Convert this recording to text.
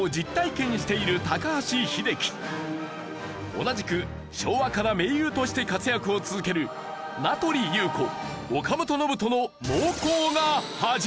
同じく昭和から名優として活躍を続ける名取裕子岡本信人の。